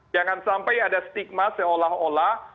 jangan sampai ada stigma seolah olah